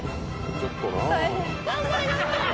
ちょっと。